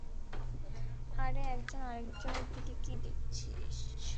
আরে একজন আরেকজনের দিকে কী দেখছিস?